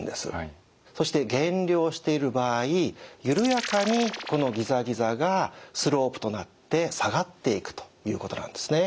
そして減量している場合緩やかにこのギザギザがスロープとなって下がっていくということなんですね。